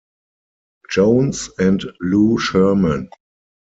Jones, and Lou Sherman.